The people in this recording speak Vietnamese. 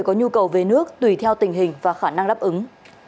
có nhu cầu về nước tùy theo tình hình và khả năng đáp ứng